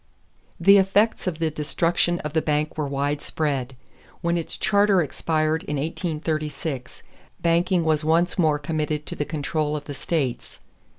The effects of the destruction of the bank were widespread. When its charter expired in 1836, banking was once more committed to the control of the states.